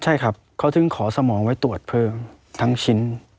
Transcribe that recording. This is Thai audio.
ใช่ครับเขาถึงขอสมองไว้ตรวจเพิ่มทั้งชิ้น